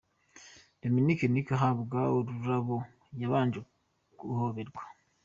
Dominic Nic ahabwa ururabo, yabanje guhoberwa.